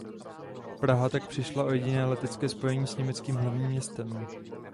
Praha tak přišla o jediné letecké spojení s německým hlavním městem.